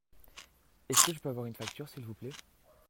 Est-ce que je peux avoir une facture s'il vous plait ?